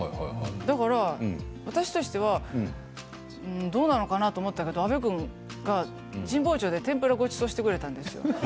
だから私としてはどうなのかなと思ったけど阿部君が神保町で天ぷらをごちそうしてくれたんです。